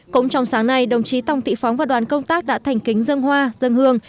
cũng trong sáng nay đồng chí tòng thị phóng và đoàn công tác đã thành kính dân hoa dân hương